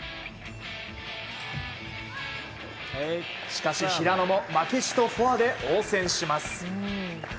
しかし平野も負けじとフォアで応戦します。